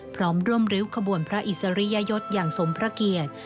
พร้อมร่วมริ้วขบวนพระอิสริยยศอย่างสมพระเกียรติ